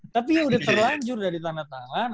tapi ya udah terlanjur dari tanda tangan